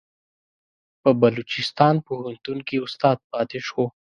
په بلوچستان پوهنتون کې استاد پاتې شو.